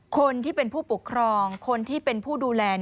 คนที่เป็นผู้ปกครองคนที่เป็นผู้ดูแล